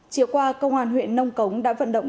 chiều qua công an huyện nông cống đã vận động